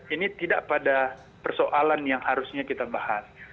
ini tidak pada persoalan yang harusnya kita bahas